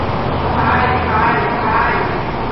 ভাই, ভাই, ভাই!